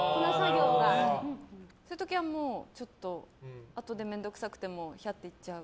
そういう時はあとで面倒くさくてもひゃっていっちゃう。